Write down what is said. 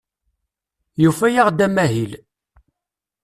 Yufa-aɣ-d amahil.